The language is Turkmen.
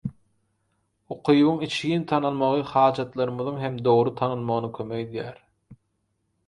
Ukybyň içgin tanalmagy hajatlarymyzyň hem dogry tanalmagyna kömek edýär.